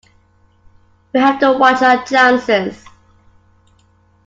We'll have to watch our chances.